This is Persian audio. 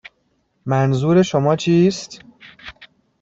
منظور شما چیست؟